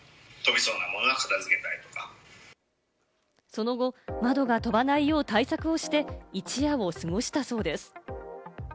その後、窓が飛ばないよう、対策をして、一夜を過ごしたそうです。